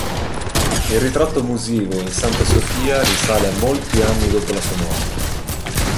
Il ritratto musivo in Santa Sofia risale a molti anni dopo la sua morte.